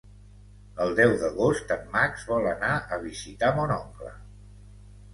El deu d'agost en Max vol anar a visitar mon oncle.